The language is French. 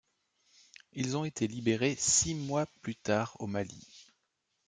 Ils ont été libérés six mois plus tard au Mali.